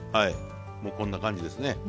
もうこんな感じですね。